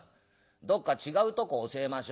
『どっか違うとこ教えましょう』？